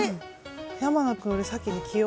山名君より先に着よ！